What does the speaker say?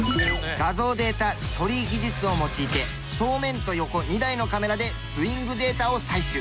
画像データ処理技術を用いて正面と横２台のカメラでスイングデータを採取。